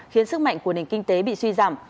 khiến sức mạnh của nền kinh tế bị suy giảm